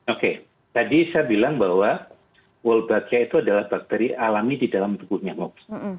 oke tadi saya bilang bahwa wolbachia itu adalah bakteri alami di dalam tubuh nyamuk